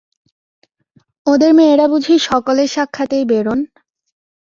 ওঁদের মেয়েরা বুঝি সকলের সাক্ষাতেই বেরোন?